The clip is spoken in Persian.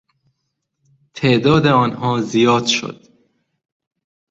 تعداد آنها زیاد شد.